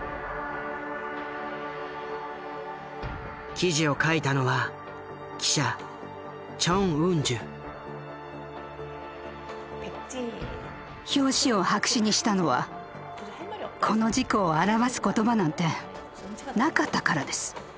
記事を書いたのは表紙を白紙にしたのはこの事故を表す言葉なんてなかったからです。